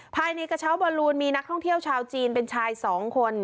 ภายในกระเช้าบอลลูนมีนักท่องเที่ยวชาวจีนเป็นชาย๒คน